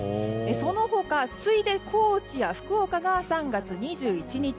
その他、次いで高知や福岡が３月２１日